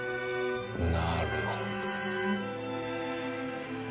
なるほど。